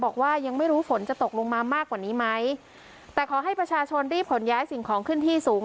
บอกว่ายังไม่รู้ฝนจะตกลงมามากกว่านี้ไหมแต่ขอให้ประชาชนรีบขนย้ายสิ่งของขึ้นที่สูง